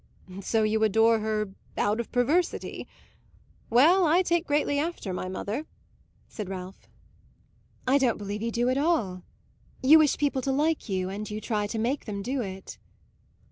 "So you adore her out of perversity? Well, I take greatly after my mother," said Ralph. "I don't believe you do at all. You wish people to like you, and you try to make them do it."